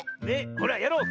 ほらやろう。